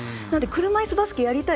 車いすバスケやりたい。